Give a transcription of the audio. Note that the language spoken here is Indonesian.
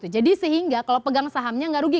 jadi sehingga kalau pegang sahamnya enggak rugi